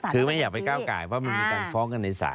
คือไม่อยากไปก้าวไก่เพราะมันมีการฟ้องกันในศาล